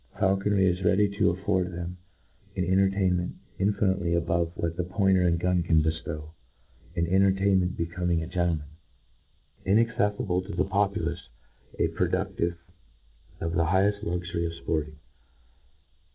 Faulconry is ready to aflFord them an entertainment infinitely s above what the point ier and gun catt bcftow ; an entertainment be coming a gentleman ; inacceifible to the popu lace^ and produdive of the highcft luxury of fporting.